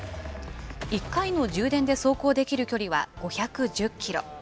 １回の充電で走行できる距離は５１０キロ。